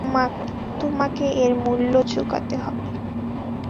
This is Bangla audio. তোমাকে এর মূল্য চুকাতে হবে।